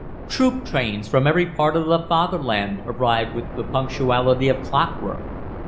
Troop trains from every part of the Fatherland arrived with the punctuality of clockwork.